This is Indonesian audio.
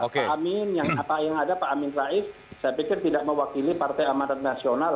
pak amin yang apa yang ada pak amin rais saya pikir tidak mewakili partai amanat nasional